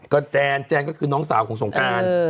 ก็แจนก็คือน้องสาวของสงการ